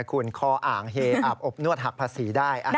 คุณคออ่างเฮอาบอบนวดหักภาษีได้